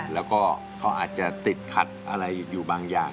แล้วก็เขาอาจจะติดขัดอะไรอยู่บางอย่าง